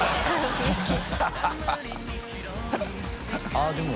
あっでも。